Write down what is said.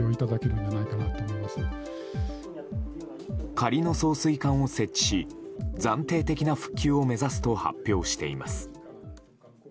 仮の送水管を設置し暫定的な復旧を目指すと発表しています。